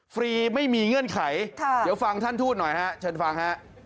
ฟรีไม่มีเงื่อนไขเดี๋ยวฟังท่านทูตหน่อยฮะเชิญฟังฮะ